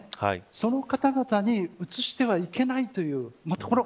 その方々にうつしてはいけないというところ。